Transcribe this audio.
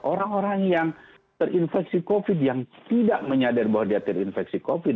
orang orang yang terinfeksi covid yang tidak menyadar bahwa dia terinfeksi covid